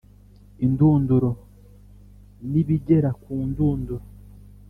Indunduro nibigera ku ndunduro